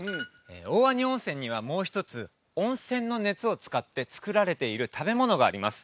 大鰐温泉にはもう一つ温泉の熱を使って作られている食べ物があります